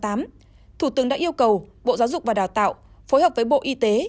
thủ tướng đã yêu cầu bộ giáo dục và đào tạo phối hợp với bộ y tế